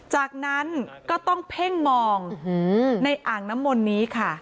จากนั้นก็ต้องเพ่งมองในอ่างน้ำมนต์นี้ค่ะ